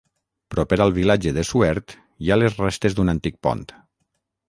Proper al vilatge de Suert hi ha les restes d'un antic pont.